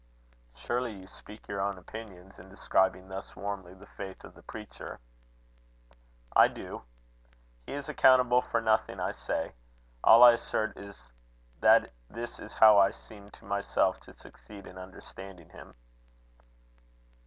"Surely you speak your own opinions in describing thus warmly the faith of the preacher." "I do. He is accountable for nothing I say. All I assert is, that this is how I seem to myself to succeed in understanding him."